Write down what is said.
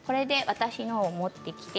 私のを持ってきて。